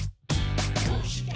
「どうして？